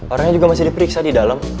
orangnya juga masih diperiksa di dalam